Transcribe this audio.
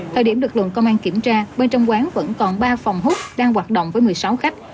thời điểm lực lượng công an kiểm tra bên trong quán vẫn còn ba phòng hút đang hoạt động với một mươi sáu khách